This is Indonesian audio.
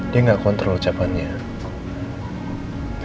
dia gak kontrol ucapannya